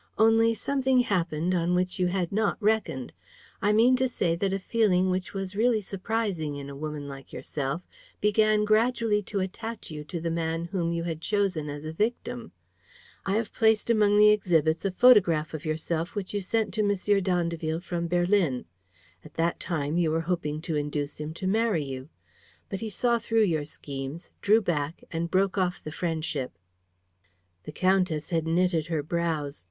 Only, something happened on which you had not reckoned. I mean to say that a feeling which was really surprising in a woman like yourself began gradually to attach you to the man whom you had chosen as a victim. I have placed among the exhibits a photograph of yourself which you sent to M. d'Andeville from Berlin. At that time, you were hoping to induce him to marry you; but he saw through your schemes, drew back and broke off the friendship." The countess had knitted her brows.